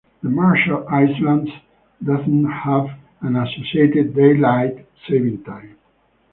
The Marshall Islands does not have an associated daylight saving time.